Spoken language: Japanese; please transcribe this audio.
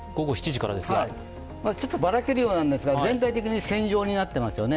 ちょっとばらけるようなんですが、全体的に線状になっていますよね。